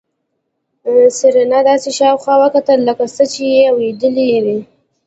سېرېنا داسې شاوخوا وکتل لکه څه چې يې اورېدلي وي.